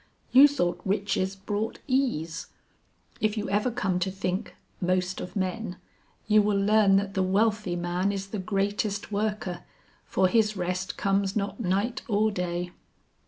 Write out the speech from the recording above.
"You thought riches brought ease; if you ever come to think, 'most of men' you will learn that the wealthy man is the greatest worker, for his rest comes not night or day."